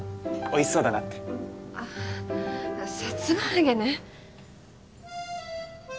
おいしそうだなってあさつま揚げね